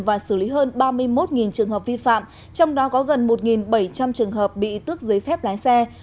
và xử lý hơn ba mươi một trường hợp vi phạm trong đó có gần một bảy trăm linh trường hợp bị tước giấy phép lái xe